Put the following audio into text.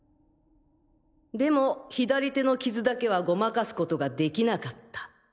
でも左手の傷だけはごまかすことが出来なかった。